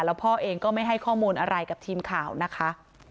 แล้วพ่อเองก็ไม่ให้ข้อมูลอะไรกับทีมข่าวนะคะ